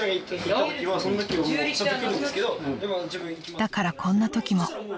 ［だからこんなときも］